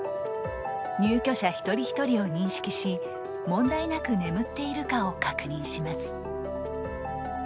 入居者一人一人を認識し問題なく眠っているかを確認します。